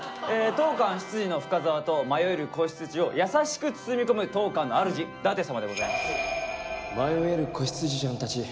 当館執事の深澤と迷える子羊を優しく包み込む当館のあるじ舘様でございます。